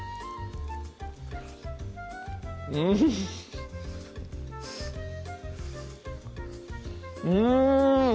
うんうん！